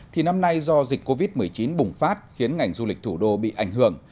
thì năm nay do dịch covid một mươi chín bùng phát khiến ngành du lịch thủ đô bị ảnh hưởng